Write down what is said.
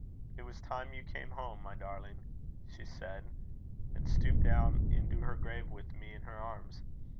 'It was time you came home, my darling,' she said, and stooped down into her grave with me in her arms.